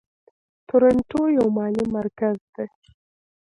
تورنټو یو مالي مرکز دی.